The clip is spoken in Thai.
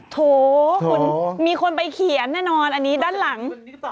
โถคุณมีคนไปเขียนแน่นอนอันนี้ด้านหลัง